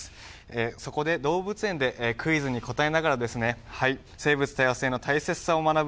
そこで動物園でクイズに答えながら生物多様性の大切さを学ぶ